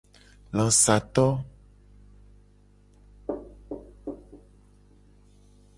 Lasato.